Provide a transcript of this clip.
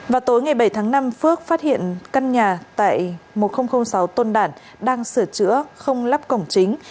vào tối ngày bảy tháng năm phước phát hiện căn nhà tại một nghìn sáu tôn đản đang sửa chữa không lắp cổng chính